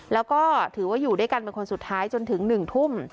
แล้วก็ถือว่าอยู่ด้วยกันเป็นคนสุดท้ายจนถึง๑ทุ่ม